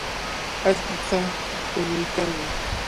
Allquqa puñuykanmi.